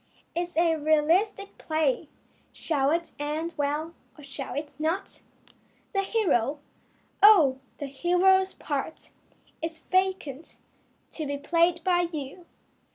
It is a realistic play. Shall it end well or shall it not? The hero? Oh, the hero's part Is vacant to be played by you.